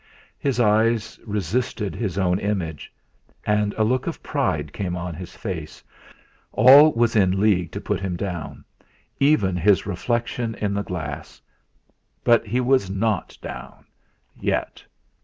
His eyes resisted his own image, and a look of pride came on his face. All was in league to pull him down, even his reflection in the glass, but he was not down yet!